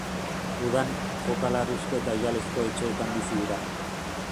Udan, foka-larruzko eta oihalezko etxeetan bizi dira.